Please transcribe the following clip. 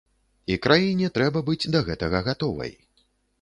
І краіне трэба быць да гэтага гатовай.